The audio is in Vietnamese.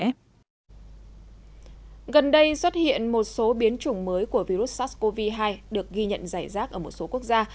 gần đây xuất hiện một số biến chủng mới của virus sars cov hai được ghi nhận giải rác ở một số quốc gia